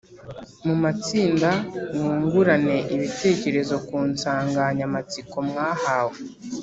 mu matsinda mwungurane ibitekerezo ku nsanganyamatsiko mwahawe,